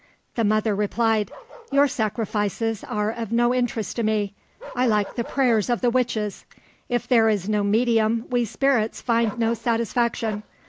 The mother replied, "Your sacrifices are of no interest to me, I like the prayers of the witches. If there is no medium we spirits find no satisfaction.